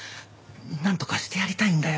なんとかしてやりたいんだよ。